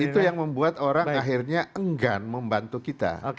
itu yang membuat orang akhirnya enggan membantu kita